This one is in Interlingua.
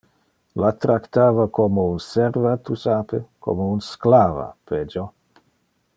La tractava como un serva, tu sape; como un sclava, pejo.